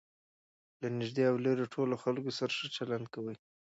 له نژدې او ليري ټولو خلکو سره ښه چلند کوئ!